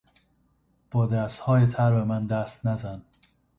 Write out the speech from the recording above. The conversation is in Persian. با دستهای تر به من دست نزن!